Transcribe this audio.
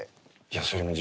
いやそれね